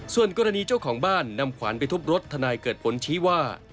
ส่วนกรณีเจ้าของบ้านนำขวานไปทุบรถทนายเกิดผลชี้ว่า